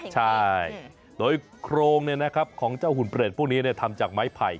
ใช่โดยโครงของเจ้าหุ่นเปรตพวกนี้ทำจากไม้ไผ่